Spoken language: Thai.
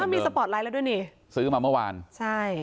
มีสปอร์ตไลท์แล้วด้วยนี่ซื้อมาเมื่อวานใช่